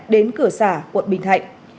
đến cửa xã quận bình thạnh